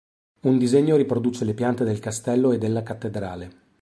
Un disegno riproduce le piante del Castello e della Cattedrale.